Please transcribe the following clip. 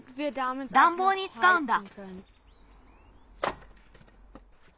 だんぼうにつかうんだ。